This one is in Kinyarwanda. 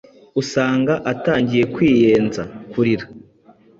usanga atangiye kwiyenza, kurira